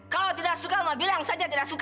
kalau tidak suka mau bilang saja tidak suka